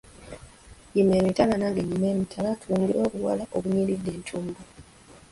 Yima emitala nange nnyime emitala tulengere obuwala obunyiridde entumbwe.